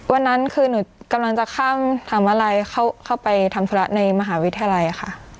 วันนั้นคือหนูกำลังจะข้ามถามว่าอะไรเข้าเข้าไปทำสินค้าในมหาวิทยาลัยค่ะ